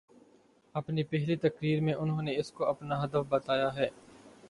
اپنی پہلی تقریر میں انہوں نے اس کو اپناہدف بتایا ہے۔